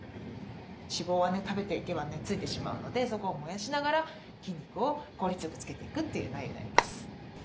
脂肪はね食べていけばねついてしまうのでそこを燃やしながら筋肉を効率よくつけていくという内容になります。